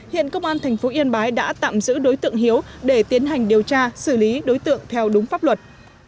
hiện công an tp yên bái đã tạm giữ đối tượng hiếu để tiến hành điều tra xử lý đối tượng theo đúng pháp luật